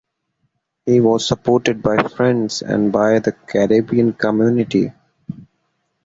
He was supported by friends and by the Caribbean community.